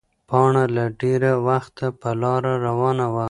پاڼه له ډېره وخته په لاره روانه وه.